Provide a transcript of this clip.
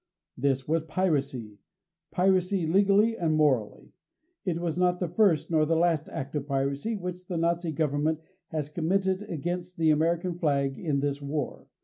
This was piracy piracy legally and morally. It was not the first nor the last act of piracy which the Nazi government has committed against the American flag in this war.